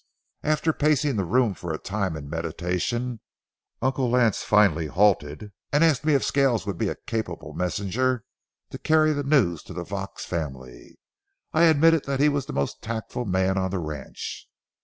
After pacing the room for a time in meditation, Uncle Lance finally halted and asked me if Scales would be a capable messenger to carry the news to the Vaux family. I admitted that he was the most tactful man on the ranch.